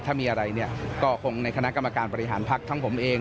ถ้ามีอะไรเนี่ยก็คงในคณะกรรมการบริหารพักทั้งผมเอง